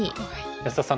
安田さん